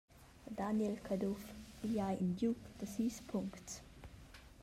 Daniel Caduff: «Igl ei in giug da sis puncts.